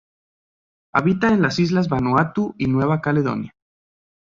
Habita en las islas Vanuatu y Nueva Caledonia.